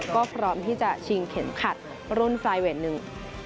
ก็พร้อมที่จะชิงเข็มขัดรุ่นไฟเวทหนึ่ง